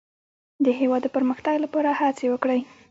د هېواد د پرمختګ لپاره هڅې وکړئ.